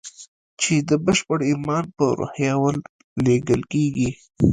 چې د بشپړ ايمان په روحيه ورلېږل کېږي.